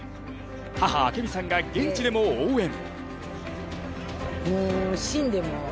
母・明美さんが現地でも応援。